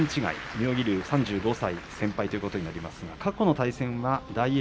妙義龍３５歳先輩ということになりますが過去の両者は大栄